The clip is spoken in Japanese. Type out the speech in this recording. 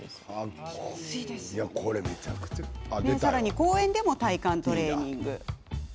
公園でも体幹トレーニング。